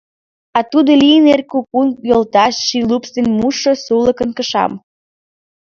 А тудо лийын эр кукун йолташ, ший лупс ден мушшо сулыкын кышам.